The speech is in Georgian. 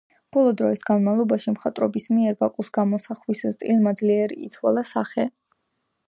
ბოლო დროის განმავლობაში, მხატვრების მიერ, ბაკუს გამოსახვის სტილმა ძლიერ იცვალა სახე.